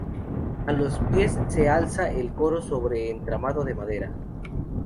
A los pies se alza el coro sobre entramado de madera.